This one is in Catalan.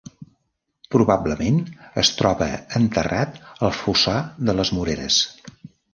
Probablement es troba enterrat al Fossar de les Moreres.